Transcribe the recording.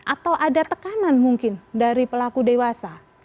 atau ada tekanan mungkin dari pelaku dewasa